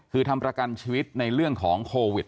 คือทำประกันชีวิตในเรื่องของโควิด